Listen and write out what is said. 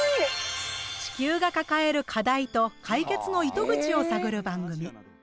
地球が抱える課題と解決の糸口を探る番組。